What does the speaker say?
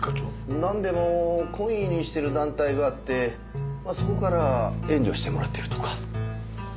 なんでも懇意にしてる団体があってそこから援助してもらってるとか。